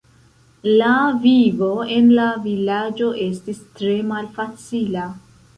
La vivo en la vilaĝo estis tre malfacila.